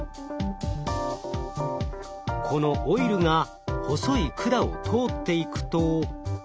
このオイルが細い管を通っていくと。